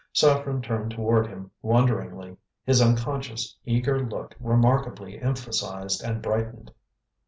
Saffren turned toward him wonderingly, his unconscious, eager look remarkably emphasised and brightened.